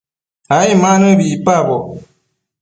ai ma nëbi icpaboc